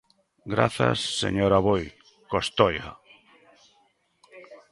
Grazas, señor Aboi Costoia.